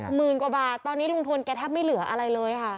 หมื่นกว่าบาทตอนนี้ลุงพลแกแทบไม่เหลืออะไรเลยค่ะ